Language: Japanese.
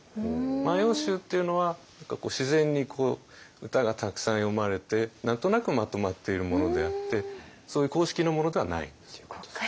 「万葉集」っていうのは自然に歌がたくさん詠まれて何となくまとまっているものであってそういう公式のものではないっていうことですよね。